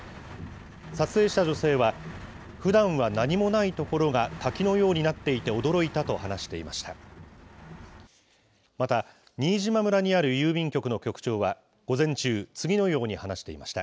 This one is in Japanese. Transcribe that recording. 撮影した女性は、ふだんは何もない所が滝のようになっていて驚いたと話していました。